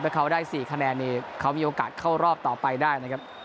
ถ้าเขาได้๔คะแนนนี่เขามีโอกาสเข้ารอบต่อไปได้นะครับ